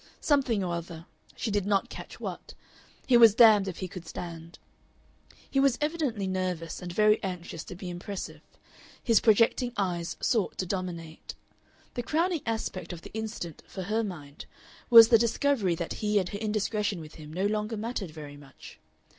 Something or other she did not catch what he was damned if he could stand. He was evidently nervous, and very anxious to be impressive; his projecting eyes sought to dominate. The crowning aspect of the incident, for her mind, was the discovery that he and her indiscretion with him no longer mattered very much.